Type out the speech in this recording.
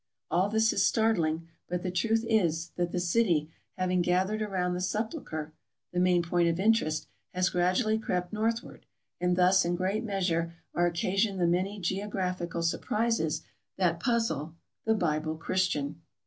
All this is startling, but the truth is, that the city, having gathered around the Sepul chre (the main point of interest), has gradually crept north ward, and thus in great measure are occasioned the many geographical surprises that puzzle the " Bible Christian."